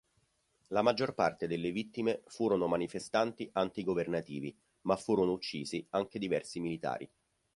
La maggior parte delle vittime furono manifestanti anti-governativi, ma furono uccisi anche diversi militari.